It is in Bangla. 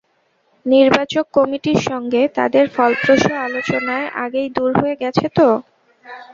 নির্বাচক কমিটির সঙ্গে তাঁদের ফলপ্রসূ আলোচনায় আগেই দূর হয়ে গেছে তা।